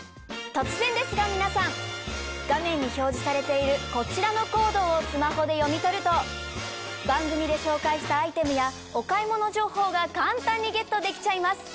突然ですが皆さん画面に表示されているこちらのコードをスマホで読み取ると番組で紹介したアイテムやお買い物情報が簡単にゲットできちゃいます！